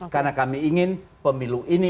karena kami ingin pemilu ini